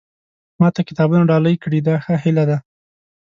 ما ته کتابونه ډالۍ کړي دا ښه هیله ده.